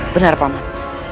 benar pak man